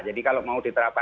jadi kalau mau diterapkan